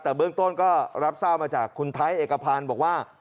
แต่เบื้องต้นก็รับทราบมาจากคุณไทยเอกพันธ์บอกว่า